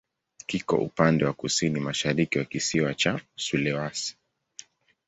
Kiko upande wa kusini-mashariki wa kisiwa cha Sulawesi.